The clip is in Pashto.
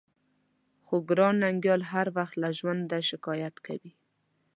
خو ګران ننګيال هر وخت له ژونده شکايت کوي.